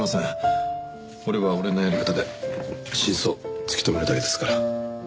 俺は俺のやり方で真相を突き止めるだけですから。